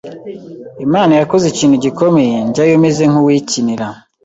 Imana yakoze ikintu gikomeye, njyayo meze nk’uwikinira